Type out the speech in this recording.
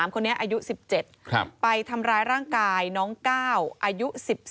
คนนี้อายุ๑๗ไปทำร้ายร่างกายน้องก้าวอายุ๑๒